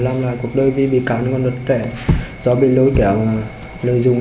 làm lại cuộc đời vì bị cán còn rất trẻ do bị lôi kéo lợi dụng